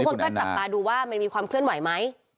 คนก็จับตาดูว่ามันมีความเคลื่อนไหวไหม